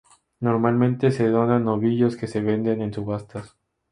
Normalmente se donan novillos que se venden en subasta.